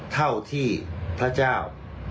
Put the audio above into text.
เท่าที่พระเจ้า